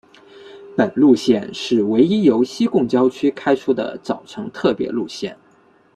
本路线是唯一由西贡郊区开出的早晨特别路线。